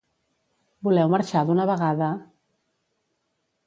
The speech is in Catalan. Voleu marxar d'una vegada?